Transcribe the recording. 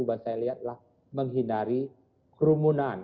yang saya lihatlah menghindari kerumunan